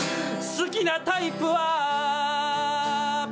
「好きなタイプは」